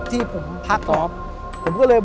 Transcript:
ผมก็ไม่เคยเห็นว่าคุณจะมาทำอะไรให้คุณหรือเปล่า